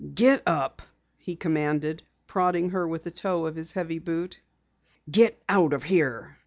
"Get up!" he commanded, prodding her with the toe of his heavy boot. "Get out of here!